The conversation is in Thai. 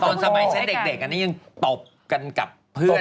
สมัยฉันเด็กอันนี้ยังตบกันกับเพื่อน